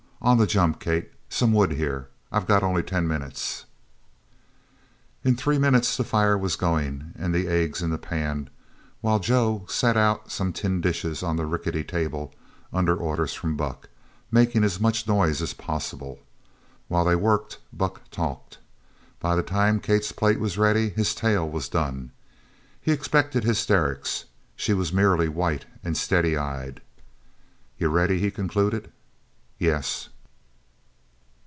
On the jump, Kate. Some wood here. I got only ten minutes!" In three minutes the fire was going, and the eggs in the pan, while Joe set out some tin dishes on the rickety table, under orders from Buck, making as much noise as possible. While they worked Buck talked. By the time Kate's plate was ready his tale was done. He expected hysterics. She was merely white and steady eyed. "You're ready?" he concluded. "Yes."